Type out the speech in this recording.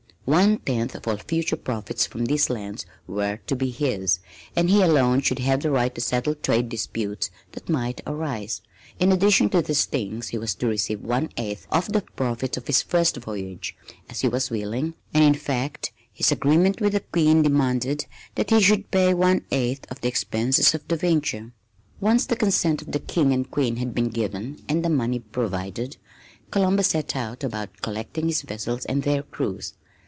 One tenth of all future profits from these lands were to be his, and he alone should have the right to settle trade disputes that might arise. In addition to these things he was to receive one eighth of the profit of his first voyage, as he was willing, and in fact his agreement with the Queen demanded, that he should pay one eighth of the expenses of the venture. Once the consent of the King and Queen had been given and the money provided, Columbus set about collecting his vessels and their crews.